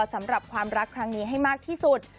สำหรับความรักครั้งนี้ให้มากที่สุด